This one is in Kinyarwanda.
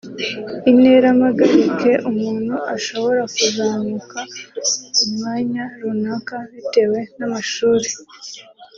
Intera mpagarike umuntu ashobora kuzamuka ku mwanya runaka bitewe n’amashuri